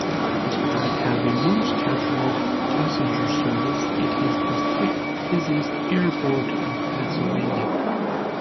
Despite having no scheduled passenger service, it is the sixth-busiest airport in Pennsylvania.